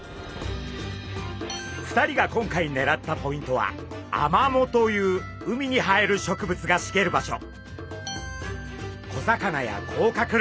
２人が今回狙ったポイントはアマモという海に生える植物がしげる場所。